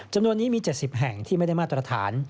จำนวนนี้มี๗๐แห่งที่ไม่ได้มาตรฐาน